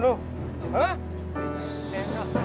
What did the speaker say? lu mau rasain nyantik